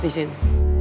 sampai jumpa lagi